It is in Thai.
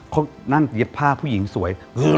เขานั่นเย็บผ้าผู้หญิงสวย